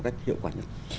một cách hiệu quả nhất